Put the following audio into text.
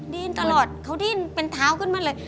ดิ้นตลอดเขาดิ้นเป็นเท้าขึ้นมาเลย